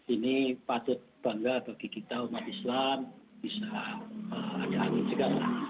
ini patut bangga bagi kita umat islam bisa ada angin segala